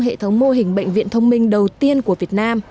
hệ thống mô hình bệnh viện thông minh đầu tiên của việt nam